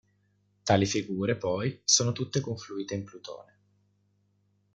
Tali figure poi sono tutte confluite in Plutone.